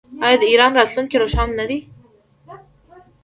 آیا د ایران راتلونکی روښانه نه دی؟